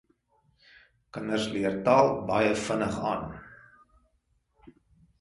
Kinders leer taal baie vinnig aan.